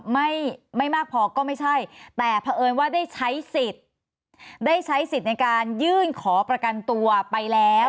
ไม่ไม่มากพอก็ไม่ใช่แต่เผอิญว่าได้ใช้สิทธิ์ได้ใช้สิทธิ์ในการยื่นขอประกันตัวไปแล้ว